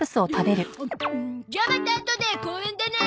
じゃあまたあとで公園でね！